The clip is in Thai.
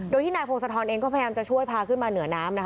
โดยที่นายพงศธรเองก็พยายามจะช่วยพาขึ้นมาเหนือน้ำนะคะ